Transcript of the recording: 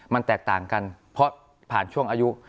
มันแตกต่างกันเพราะผ่านช่วงอายุ